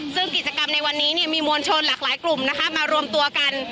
ซึ่งกิจกรรมในวันนี้มีมวลชนหลากหลายกลุ่มนะคะมารวมตัวกัน